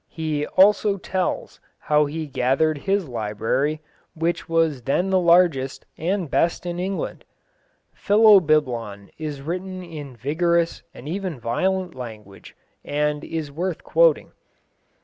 He also tells how he gathered his library, which was then the largest and best in England. Philobiblon is written in vigorous and even violent language, and is worth quoting.